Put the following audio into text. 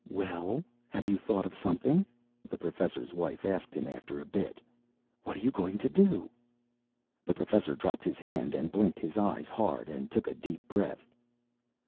"Well, have you thought of something?" the Professor's Wife asked him after a bit. "What are you going to do?" The Professor dropped his hand and blinked his eyes hard and took a deep breath.